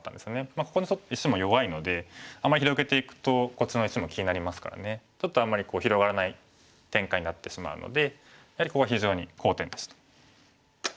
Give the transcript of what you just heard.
ここの石も弱いのであまり広げていくとこっちの石も気になりますからちょっとあんまり広がらない展開になってしまうのでやはりここが非常に好点でした。